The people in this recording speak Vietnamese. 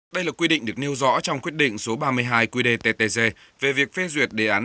đây là quy định được nêu rõ trong quyết định số ba mươi hai quy đề ttc về việc phê duyệt đề án